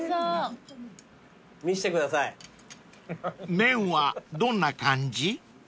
［麺はどんな感じ？］